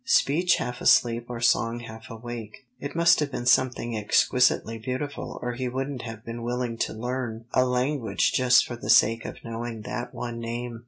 Speech half asleep or song half awake ' It must have been something exquisitely beautiful or he wouldn't have been willing to learn a language just for the sake of knowing that one name."